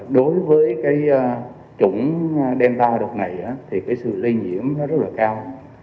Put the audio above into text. đối với chủng delta đột này thì sự lây nhiễm rất là cao